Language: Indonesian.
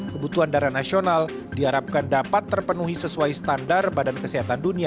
kebutuhan darah nasional diharapkan dapat terpenuhi sesuai standar badan kesehatan dunia